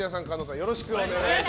よろしくお願いします。